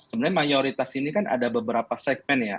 sebenarnya mayoritas ini kan ada beberapa segmen ya